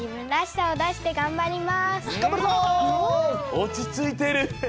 おちついてる！